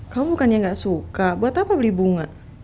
kamu bukannya gak suka buat apa beli bunga